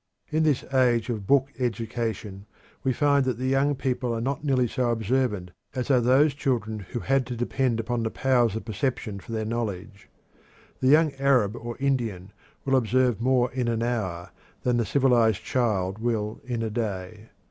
In this age of "book education" we find that the young people are not nearly so observant as are those children who had to depend upon the powers of perception for their knowledge. The young Arab or Indian will observe more in an hour than the civilized child will in a day.